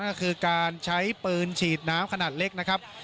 ก็คือการใช้ปืนฉีดน้ำขนาดเล็กนะครับ